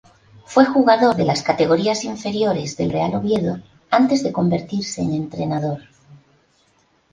Fue jugador de las categorías inferiores del Real Oviedo antes de convertirse en entrenador.